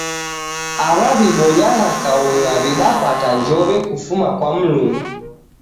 Aw'a w'ibonyagha kaung'a w'idapata njow'e kufuma kwa Mlungu.